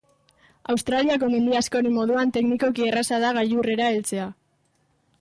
Australiako mendi askoren moduan teknikoki erraza da gailurrera heltzea.